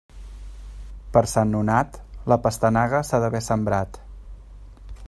Per Sant Nonat, la pastanaga s'ha d'haver sembrat.